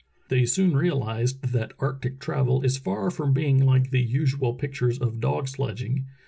They soon realized that actual arctic travel is far from being like the usual pictures of dog sledging.